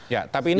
ya tapi ini bukan